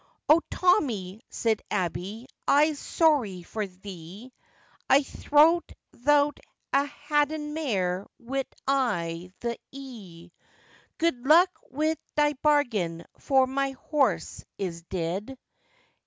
'O! Tommy,' sed Abey, 'I'ze sorry for thee, I thowt thou'd a hadden mair white i' thy 'ee; Good luck's wi' thy bargin, for my horse is deead.